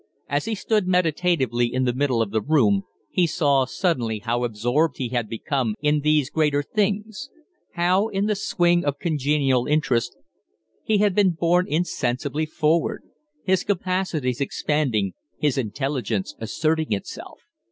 As he stood meditatively in the middle of the room he saw suddenly how absorbed he had become in these greater things. How, in the swing of congenial interests, he had been borne insensibly forward his capacities expanding, his intelligence asserting itself.